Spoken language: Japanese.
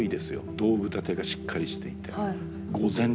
道具立てがしっかりしていて。